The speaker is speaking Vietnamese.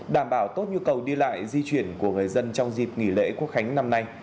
đảm bảo tốt nhu cầu đi lại di chuyển của người dân trong dịp nghỉ lễ quốc khánh năm nay